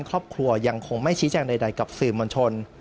ครอบครัวยังคงไม่ชี้แจงใดกับสื่อมวลชน